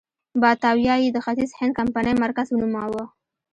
باتاویا یې د ختیځ هند کمپنۍ مرکز ونوماوه.